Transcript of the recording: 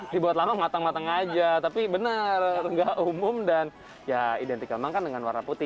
dibuat lama ngatang ngatang aja tapi benar enggak umum dan ya identikal makan dengan warna putih